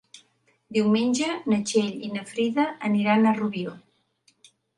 Diumenge na Txell i na Frida aniran a Rubió.